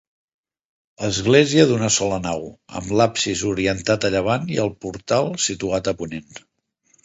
Església d'una sola nau, amb l'absis orientat a llevant i el portal situat a ponent.